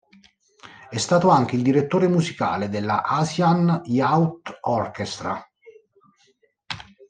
È stato anche il direttore musicale della Asian Youth Orchestra.